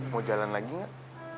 mau jalan lagi nggak